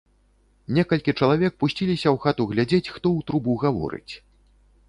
Некалькі чалавек пусціліся ў хату глядзець, хто ў трубу гаворыць.